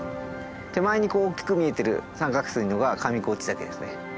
手前に大きく見えてる三角錐のが上河内岳ですね。